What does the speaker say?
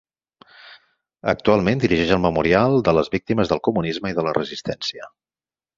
Actualment dirigeix el Memorial de les Víctimes del Comunisme i de la Resistència.